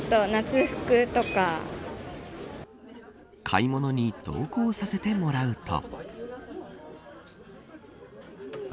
買い物に同行させてもらうと。